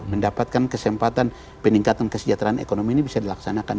mendapatkan kesempatan peningkatan kesejahteraan ekonomi ini bisa dilaksanakan